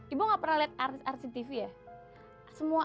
ibu gak pernah liat artis artis tv ya